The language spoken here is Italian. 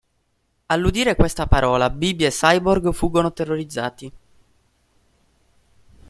All’udire questa parola Bibi e Cyborg fuggono terrorizzati.